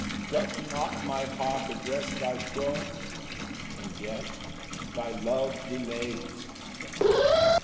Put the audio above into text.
Doth not my heart address thy throne? And yet thy love delays.